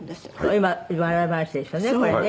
今笑い話ですよねこれね。